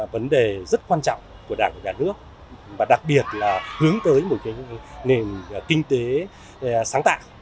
vấn đề rất quan trọng của đảng và cả nước và đặc biệt là hướng tới một cái nền kinh tế sáng tạo